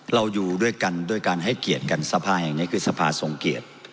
เราอยู่ด้วยกันด้วยการให้เกียรติกันสภาแห่งนี้คือสภาทรงเกียรติ